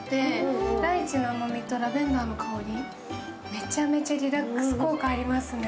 めちゃめちゃリラックス効果ありますね。